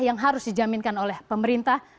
yang harus dijaminkan oleh pemerintah